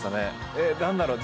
えっ何だろう？